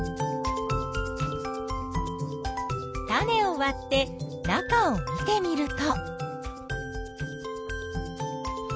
種をわって中を見てみると。